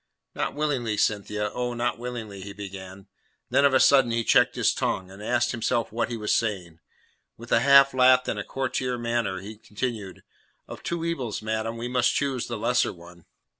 "Not willingly, Cynthia. Oh, not willingly," he began. Then of a sudden he checked his tongue, and asked himself what he was saying. With a half laugh and a courtier manner, he continued, "Of two evils, madam, we must choose the lesser one."